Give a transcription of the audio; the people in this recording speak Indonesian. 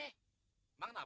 emang kenapa ya